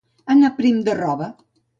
Anar prim de roba.